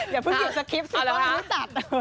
อย่าเพิ่งกินสกริปสิต้อนรู้จัด